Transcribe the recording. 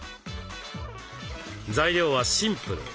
材料はシンプル。